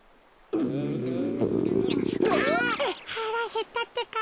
はらへったってか。